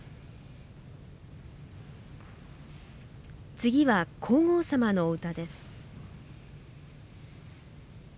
次は皇后さまのお歌です。